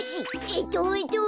えっとえっと。